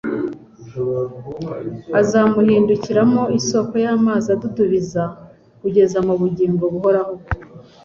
azamuhindukiramo isoko y'amazi adudubiza kugeza mu bugingo buhoraho. »